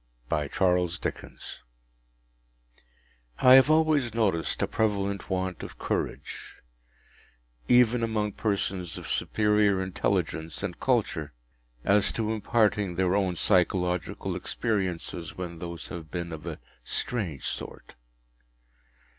I HAVE always noticed a prevalent want of courage, even among persons of superior intelligence and culture, as to imparting their own psychological experiences when those have been of a strange sort.